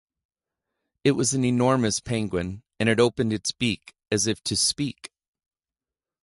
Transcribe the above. It was an enormous penguin, and it opened its beak as if to speak.